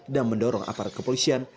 dan mendorong aparat kepolisian